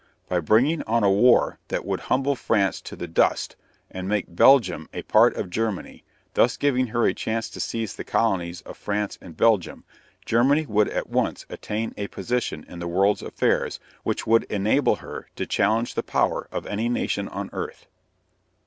By bringing on a war that would humble France to the dust and make Belgium a part of Germany, thus giving her a chance to seize the colonies of France and Belgium, Germany would at once attain a position in the world's affairs which would enable her to challenge the power of any nation on earth.